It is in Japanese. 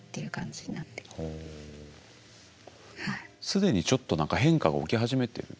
既にちょっと何か変化が起き始めてる？